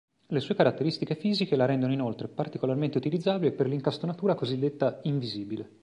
Le sue caratteristiche fisiche la rendono inoltre particolarmente utilizzabile per l'incastonatura cosiddetta "invisibile".